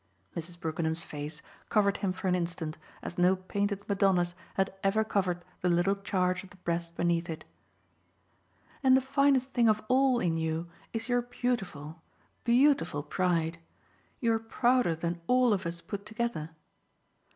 Mrs. Brookenham's face covered him for an instant as no painted Madonna's had ever covered the little charge at the breast beneath it. "And the finest thing of all in you is your beautiful, beautiful pride! You're prouder than all of us put together."